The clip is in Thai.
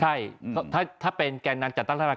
ใช่ถ้าเป็นแก่นำจัดตั้งรัฐบาล